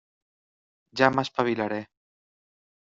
Ja m'espavilaré.